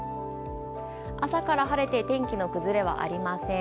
朝から晴れて天気の崩れはありません。